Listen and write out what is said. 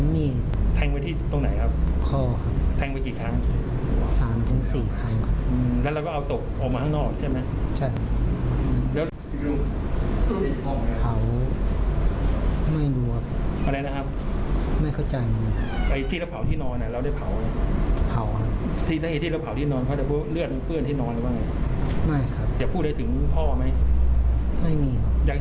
ไม่มี